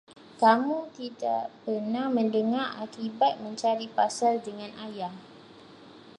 Kamu tak pernah mendengar akibat mencari pasal dengan ayah?